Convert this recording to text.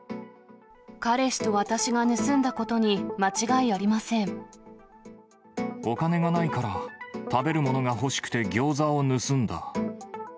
彼氏と私が盗んだことに間違お金がないから、食べるものが欲しくてギョーザを盗んだ。